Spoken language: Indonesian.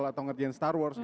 atau ngerjain star wars